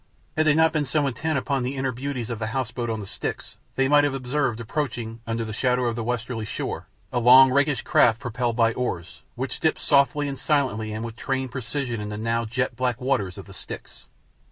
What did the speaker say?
Had they not been so intent upon the inner beauties of the House boat on the Styx they might have observed approaching, under the shadow of the westerly shore, a long, rakish craft propelled by oars, which dipped softly and silently and with trained precision in the now jet black waters of the Styx.